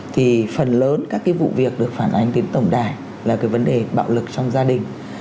thì phần lớn các vụ việc được phản ánh đến tổng đài là vấn đề bạo lực trong gia đình